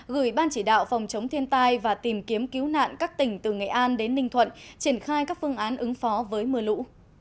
gửi ban chỉ đạo phòng chống thiên tai và tìm kiếm cứu nạn các tỉnh từ nghệ an đến ninh thuận triển khai các phương án ứng phó với mưa lũ